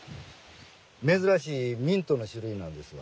珍しいミントの種類なんですわ。